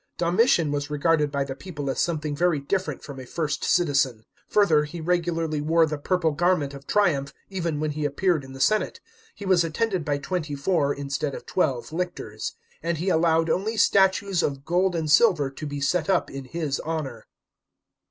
Domitian was regarded by the people as something very dilferent from a First Citizen. Further, he regularly wore the purple garment of triumph, even when he appeared in the senate : he was attended by twenty four, inst< ad of twelve, lictors ; and he allowed only statues of gold and silver to be set up in his honour.